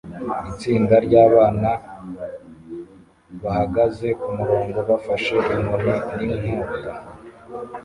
Itsinda ryabana bahagaze kumurongo bafashe inkoni ninkota